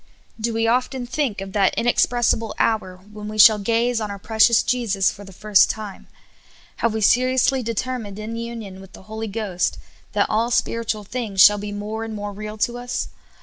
Do we often think of that inexpressible hour when we shall gaze on our precious Jesus for the first time ? Have we seriously determined in union with the Holy Ghost that all spir itual things shall be more and more real to us?